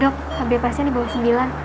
dok habis pasien di bawah sembilan